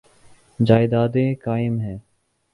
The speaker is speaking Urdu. جائیدادیں قائم ہیں۔